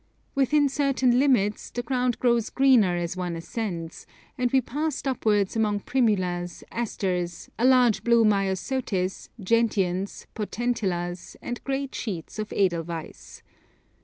Within certain limits the ground grows greener as one ascends, and we passed upwards among primulas, asters, a large blue myosotis, gentians, potentillas, and great sheets of edelweiss.